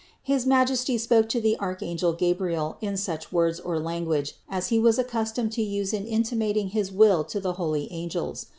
His Majesty spoke to the archangel Gabriel in such words or lan guage as He was accustomed to use in intimating his will to the holy angels.